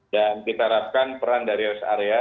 dan kita harapkan peran dari res area